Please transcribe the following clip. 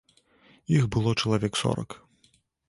Іх было чалавек сорак.